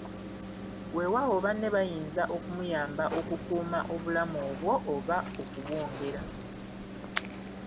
Weewaawo banne bayinza okumuyamba okukuuma obulamu obwo oba okubwongera.